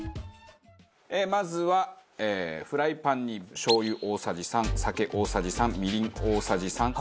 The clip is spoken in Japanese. まずはフライパンにしょう油大さじ３酒大さじ３みりん大さじ３。